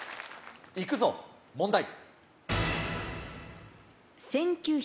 行くぞ問題。